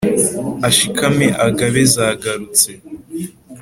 Ashikame agabe zagarutse !